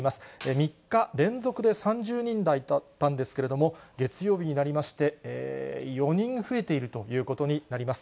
３日連続で３０人台だったんですけど、月曜日になりまして、４人増えているということになります。